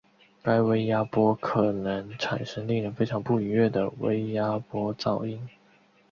该微压波可能产生令人非常不愉悦的微压波噪音。